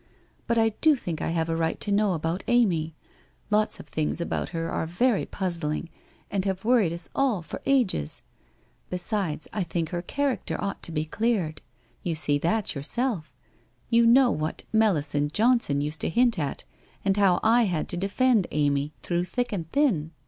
But I do think I have a right to know about Amy. Lots of things about her are very puzzling, and have worried us all for ages. Besides, I think her character ought to be cleared. You see that yourself. You know what Melisande Johnson osed to hint at, and how I had to defend Amy through thick and thin